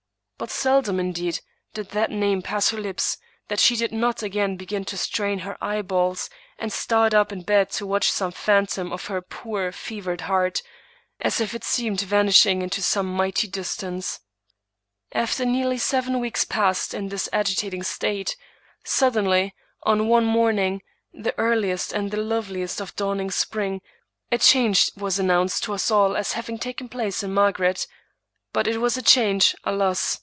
But seldom, indeed, did that name pass her lips that she did not again begin to strain her eyeballs, and start up in bed to watch some phantom of her poor, fevered heart, as if it seemed vanishing into some mighty distance. 141 English Mystery Stories After nearly seven weeks passed in this agitating state, suddenly, on one morning, the earliest and the loveliest of dawning spring, a change was announced to us all as havings taken place in Margaret; but it was a change, alas!